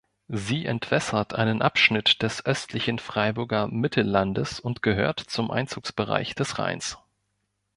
Sie entwässert einen Abschnitt des östlichen Freiburger Mittellandes und gehört zum Einzugsbereich des Rheins.